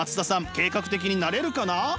計画的になれるかな？